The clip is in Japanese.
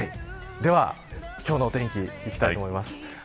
今日のお天気いきたいと思います。